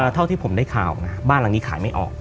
เท่าที่ผมได้ข่าวนะบ้านหลังนี้ขายไม่ออก